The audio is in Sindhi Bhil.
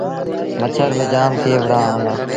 مڇر با جآم ٿئي وُهڙآ هُݩدآ۔